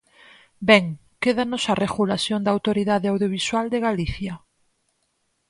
Ben, quédanos a regulación da autoridade audiovisual de Galicia.